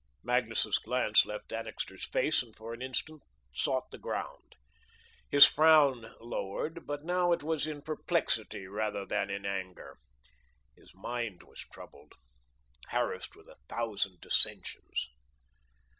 Magnus's glance left Annixter's face, and for an instant sought the ground. His frown lowered, but now it was in perplexity, rather than in anger. His mind was troubled, harassed with a thousand dissensions.